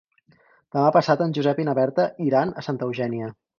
Demà passat en Josep i na Berta iran a Santa Eugènia.